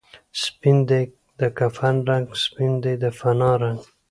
سپین دی د کفن رنګ، سپین دی د فنا رنګ